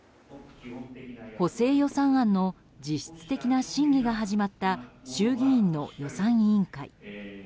補正予算案の実質的な審議が始まった衆議院の予算委員会。